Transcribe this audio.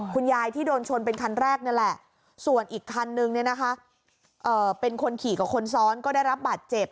คุณยายที่โดนชนเป็นคันแรกนี่แหละส่วนอีกคันนึงเนี่ยนะคะเป็นคนขี่กับคนซ้อนก็ได้รับบาดเจ็บ